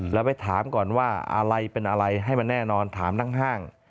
แล้วไปถามก่อนว่าอะไรเป็นอะไรให้มันแน่นอนถามทั้งห้าง